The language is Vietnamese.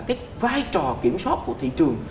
cái vai trò kiểm soát của thị trường